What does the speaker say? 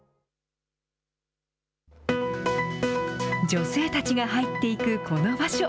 女性たちが入っていくこの場所。